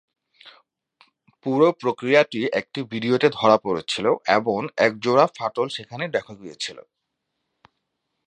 পুরো প্রক্রিয়াটি একটি ভিডিওতে ধরা পড়েছিল এবং একজোড়া ফাটল সেখানেই দেখা গিয়েছিল।